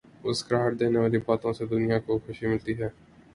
مسکراہٹ دینے والی باتوں سے دنیا کو خوشی ملتی ہے۔